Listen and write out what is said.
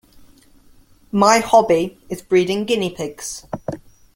My hobby is breeding guinea pigs